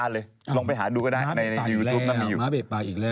ลองไปหาดูก็ได้ม้าเบบป่าอีกแล้ว